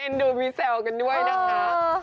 เห็นดูมีแสวกันด้วยนะครับ